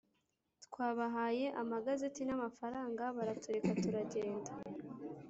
Twabahaye amagazeti n amafaranga baratureka turagenda